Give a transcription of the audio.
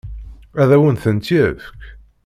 Ad awen-tent-yefk?